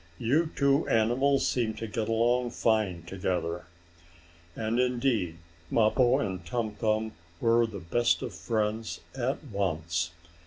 "You two animals seem to get along fine together!" And indeed Mappo and Tum Tum were the best of friends at once.